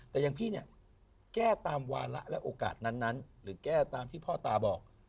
แต่พี่แก้ตามวาระโอกาสนั้นหรือแก้ตามที่พ่อตาบอก